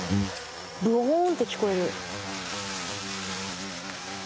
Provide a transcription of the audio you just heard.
ブオーンって聞こえる。